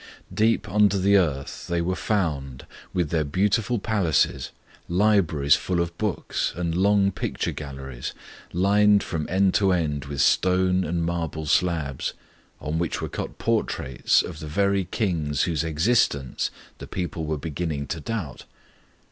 Deep under the earth they were found, with their beautiful palaces, libraries full of books, and long picture galleries, lined from end to end with stone and marble slabs, on which were cut portraits of the very kings whose existence the people were beginning to doubt!